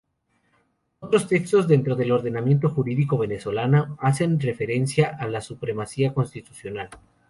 Otros textos dentro del ordenamiento jurídico Venezolano hacen referencia a la Supremacía Constitucional.